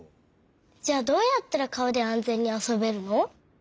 じゃあどうやったら川で安全にあそべるの？